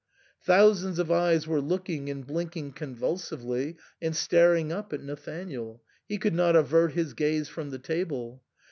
Thousands of eyes were looking and blinking convulsively, and star ing up at Nathanael ; he could not avert his gaze from the table.